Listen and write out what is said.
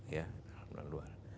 ya dalam dan luar